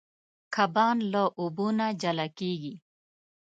کبان له اوبو نه جلا کېږي.